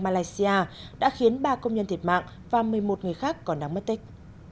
malaysia đã khiến ba công nhân thiệt mạng và một mươi một người khác còn đang mất tích